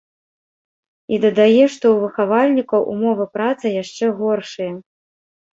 І дадае, што ў выхавальнікаў умовы працы яшчэ горшыя.